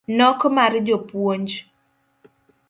nok mar jopuonj